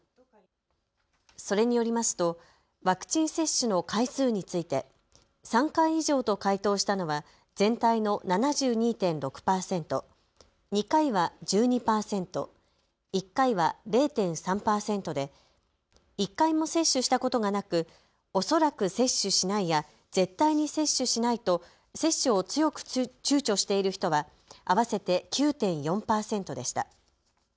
それによりますとワクチン接種の回数について、３回以上と回答したのは全体の７２．６％、２回は１２％、１回は０．３％で１回も接種したことがなく、おそらく接種しないや絶対に接種しないと接種をちゅうちょしている人は合わせて９．４％でした。